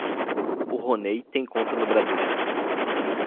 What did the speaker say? O Ronei tem conta no Bradesco.